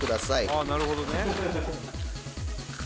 ああなるほどね。